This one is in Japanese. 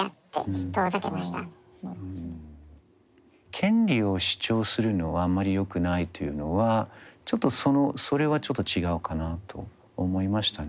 権利を主張するのはあんまりよくないというのはちょっとそのそれはちょっと違うかなと思いましたね。